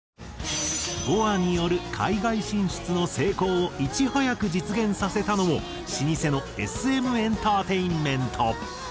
ＢｏＡによる海外進出の成功をいち早く実現させたのも老舗のＳＭエンターテインメント。